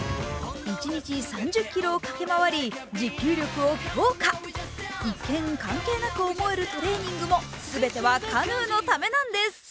一日３０ｋｍを駆け回り、持久力を強化一見、関係なく思えるトレーニングも全てはカヌーのためなんです。